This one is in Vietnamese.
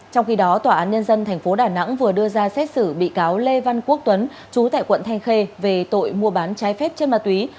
trong khi đó tòa án nhân dân tp đà nẵng vừa đưa ra xét xử bị cáo lê văn quốc tuấn chú tại quận thanh khê về tội mua bán trái phép chân ma túy